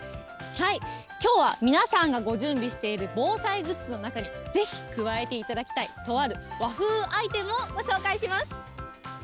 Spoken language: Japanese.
きょうは、皆さんがご準備している防災グッズの中に、ぜひ加えていただきたい、とある和風アイテムをご紹介します。